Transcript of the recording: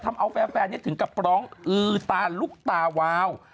ทำเอาแฟนถึงกับร้องอือตาลุกตาวาว